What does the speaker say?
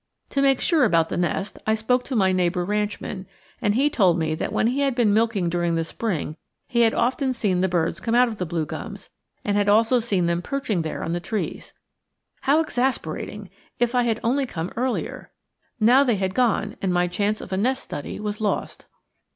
To make sure about the nest, I spoke to my neighbor ranchman, and he told me that when he had been milking during the spring he had often seen the birds come out of the blue gums, and had also seen them perching there on the trees. How exasperating! If I had only come earlier! Now they had gone, and my chance of a nest study was lost.